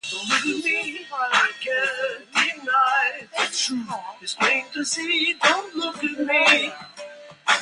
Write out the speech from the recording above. She received her primary education at the Visakha Vidyalaya.